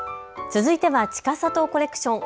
続いては、ちかさとコレクション。